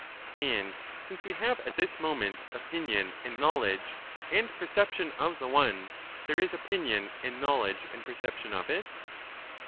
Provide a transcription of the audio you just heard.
And since we have at this moment opinion and knowledge and perception of the one, there is opinion and knowledge and perception of it